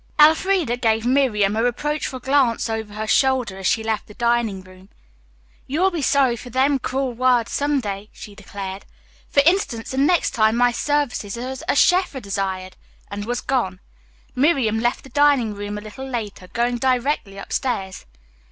Elfreda gave Miriam a reproachful glance over her shoulder as she left the dining room. "You'll be sorry for 'them cruel words' some day," she declared. "For instance, the next time my services as a chef are desired," and was gone. Miriam left the dining room a little later, going directly upstairs.